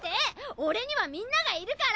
俺にはみんながいるから！